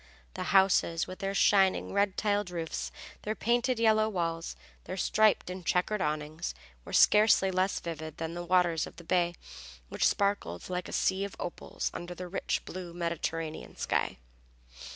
The houses, with their shining red tiled roofs, their painted yellow walls, their striped and checkered awnings, were scarcely less vivid than the waters of the bay, which sparkled like a sea of opals under the rich blue Mediterranean sky.